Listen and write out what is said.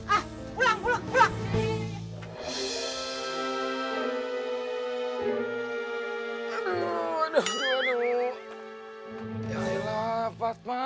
aduh aduh aduh